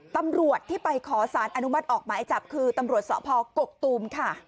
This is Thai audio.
ตำรวจที่ไปขอสารอนุมัติออกหมายจับคือตำรวจสพกกตูมค่ะ